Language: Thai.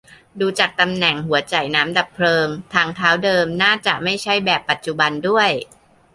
ดูจากตำแหน่งหัวจ่ายน้ำดับเพลิง ทางเท้าเดิมน่าจะไม่ใช่แบบปัจจุบันด้วย